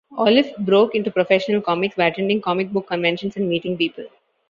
Oliff broke into professional comics by attending comic book conventions and meeting people.